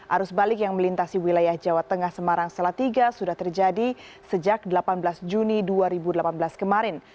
arus balik yang melintasi wilayah jawa tengah semarang salatiga sudah terjadi sejak delapan belas juni dua ribu delapan belas kemarin